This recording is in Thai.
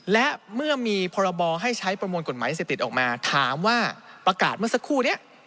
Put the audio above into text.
และเมื่อมีพรบให้ใช้ประมวลกฎหมายเสพติดออกมาถามว่าประกาศเมื่อสักครู่นี้